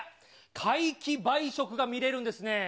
皆既梅食が見れるんですね。